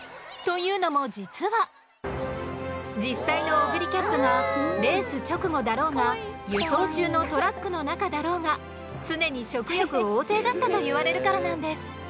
というのも実は実際のオグリキャップがレース直後だろうが輸送中のトラックの中だろうが常に食欲旺盛だったと言われるからなんです。